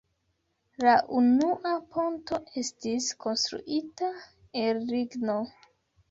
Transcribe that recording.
La unua ponto estis konstruita el ligno.